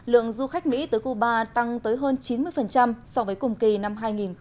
lượng du khách mỹ tới cuba tăng tới hơn chín mươi so với cùng kỳ năm hai nghìn một mươi chín